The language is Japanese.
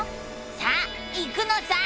さあ行くのさ！